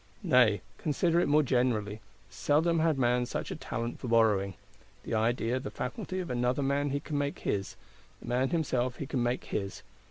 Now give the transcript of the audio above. _ Nay, consider it more generally, seldom had man such a talent for borrowing. The idea, the faculty of another man he can make his; the man himself he can make his.